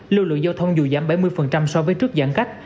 lưu lượng giao thông dù giảm bảy mươi so với trước giãn cách